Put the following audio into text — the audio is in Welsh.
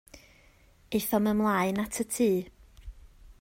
Aethom ymlaen at y tŷ.